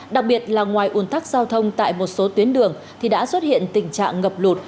đặc biệt là ngoài ùn tắc giao thông tại một số tuyến đường thì đã xuất hiện tình trạng ngập lụt